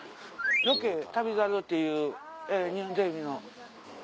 ロケ『旅猿』っていう日本テレビの。